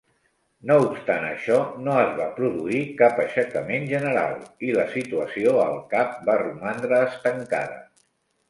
No obstant això, no es va produir cap aixecament general, i la situació al Cap va romandre estancada.